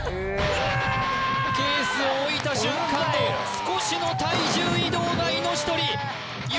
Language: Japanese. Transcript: ケースを置いた瞬間の少しの体重移動が命取り夢